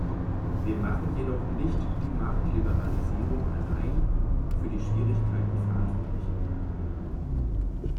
Wir machen jedoch nicht die Marktliberalisierung allein für die Schwierigkeiten verantwortlich.